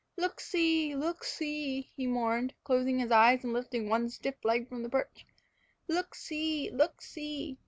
"Look see! look see!" he mourned, closing his eyes and lifting one stiff leg from his perch. "Look see! look see!"